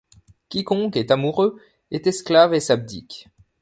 Quiconque est amoureux est esclave et s’abdique.